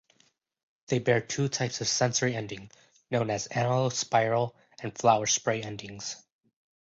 They bear two types of sensory ending, known as annulospiral and flower-spray endings.